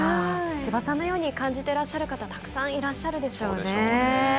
千葉さんのように感じてらっしゃる方たくさんいらっしゃるでしょうね。